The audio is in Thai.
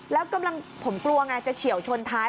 แล้วกำลังผมกลัวไงจะเฉียวชนท้าย